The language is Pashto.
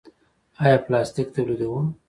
آیا پلاستیک تولیدوو؟